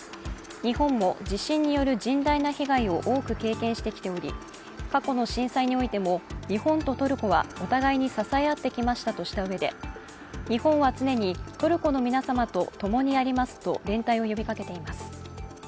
日本も地震による甚大な被害を多く経験してきており過去の震災においても日本とトルコはお互いに支え合ってきましたとしたうえで日本は常にトルコの皆様と共にありますと連帯を呼びかけています。